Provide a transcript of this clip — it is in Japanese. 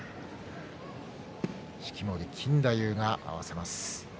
式守錦太夫が合わせます。